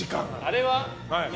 あれは？